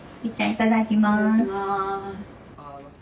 いただきます。